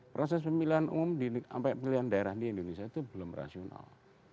proses pemilihan umum sampai pemilihan daerah di indonesia itu belum rasional